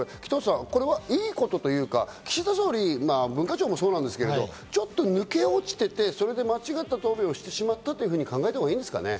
これは良いことというか、岸田総理、文化庁もそうですけど、ちょっと抜け落ちていて、それで間違った答弁をしてしまったと考えたほうがいいですかね？